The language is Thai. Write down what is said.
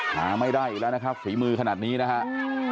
หาไม่ได้อีกแล้วนะครับฝีมือขนาดนี้นะครับ